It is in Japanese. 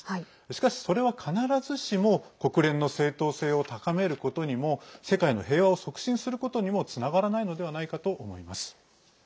しかし、それは必ずしも国連の正当性を高めることにも世界の平和を促進することにもつながらないのではないかと思います。